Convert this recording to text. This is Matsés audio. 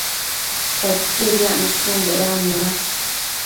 Poquied yacmishun bedannuna